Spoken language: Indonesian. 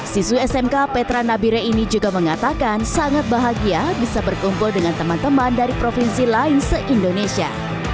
siswi smk petra nabire ini juga mengatakan sangat bahagia bisa berkumpul dengan teman teman dari provinsi lain se indonesia